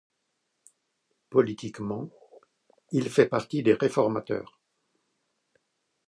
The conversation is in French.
Politiquement, il fait partie des réformateurs.